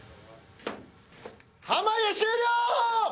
濱家終了！